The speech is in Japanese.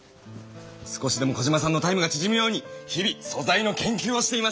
少しでもコジマさんのタイムがちぢむように日々素材の研究をしています！